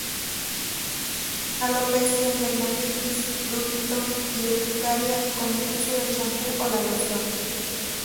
Alopecia, dermatitis, prurito y urticaria con el uso del champú o la loción.